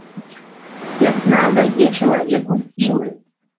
Вясна дае чалавеку сілы.